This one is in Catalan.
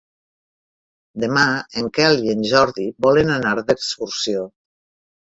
Demà en Quel i en Jordi volen anar d'excursió.